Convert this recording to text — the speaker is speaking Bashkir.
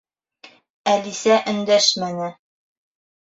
Әлисә өндәшмәне.